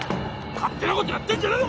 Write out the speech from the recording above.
勝手なことやってんじゃねえぞ